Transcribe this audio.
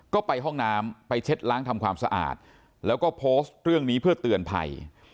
ก็ไปห้องน้ำไปเช็ดล้างทำความสะอาดแล้วก็โพสต์เรื่องนี้เพื่อเตือนภัย